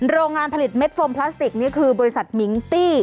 โรงงานผลิตเม็ดโฟมพลาสติกนี่คือบริษัทมิงตี้